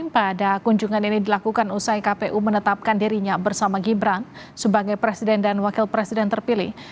pada kunjungan ini dilakukan usai kpu menetapkan dirinya bersama gibran sebagai presiden dan wakil presiden terpilih